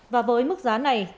và với mức giá này